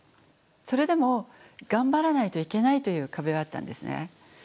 それでも頑張らないといけないという壁はあったんですね。